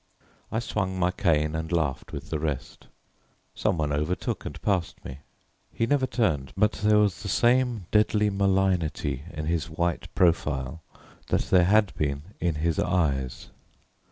I swung my cane and laughed with the rest. Some one overtook and passed me. He never turned, but there was the same deadly malignity in his white profile that there had been in his eyes.